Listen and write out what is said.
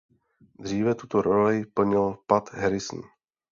Dříve tuto roli plnil Pat Harrison.